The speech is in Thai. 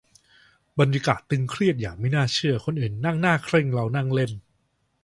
บรรยากาศตึงเครียดอย่างไม่น่าเชื่อ คนอื่นนั่งหน้าเคร่ง เรานั่งเล่น